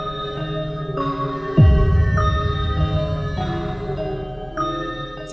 มีความรู้สึกว่ามีความรู้สึกว่า